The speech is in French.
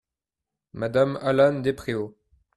M me Allan-Despréaux.